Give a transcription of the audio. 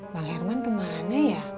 bang herman kemana ya